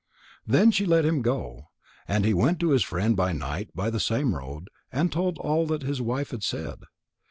Then she let him go, and he went to his friend by night by the same road, and told all that his wife had said.